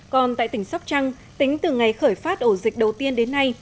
còn tại tỉnh sóc trăng tính từ ngày khởi phát ổ dịch đầu tiên đến nay